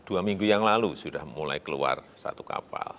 dua minggu yang lalu sudah mulai keluar satu kapal